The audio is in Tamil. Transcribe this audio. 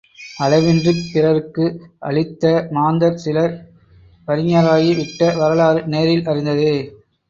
அளவின்றிப் பிறர்க்கு அளித்தமாந்தர் சிலர் வறிஞராகி விட்ட வரலாறு நேரில் அறிந்ததே.